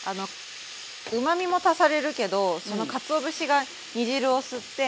うまみも足されるけどそのかつお節が煮汁を吸って。